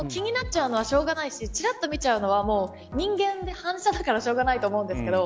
気になっちゃうのはしょうがないしちらっと見るのは人間だからしょうがないと思うんですけど